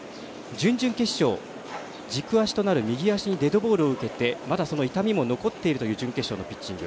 準々決勝、軸足となる右足にデッドボールを受けてまだその痛みも残っているという準決勝のピッチング。